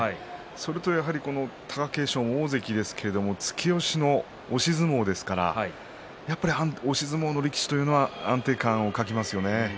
それとやはり貴景勝も大関ですけど突き押しの押し相撲ですからやっぱり押し相撲の力士というのは安定感を欠きますよね。